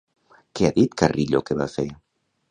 Què ha dit Carrillo que va fer?